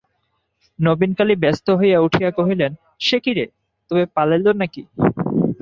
নবীনকালী ব্যস্ত হইয়া উঠিয়া কহিলেন, সে কী রে, তবে পালাইল নাকি?